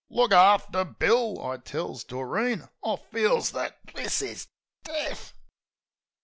"Look after Bill," I tells Doreen. "I feels that ... this is ... death."